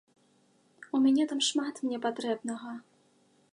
У мяне там шмат мне патрэбнага.